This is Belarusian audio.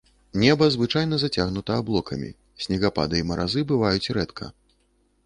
Неба звычайна зацягнута аблокамі, снегапады і маразы бываюць рэдка.